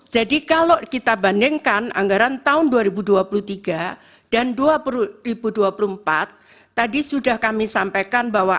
jadi kalau kita bandingkan anggaran tahun dua ribu dua puluh tiga dan dua ribu dua puluh empat tadi sudah kami sampaikan bahwa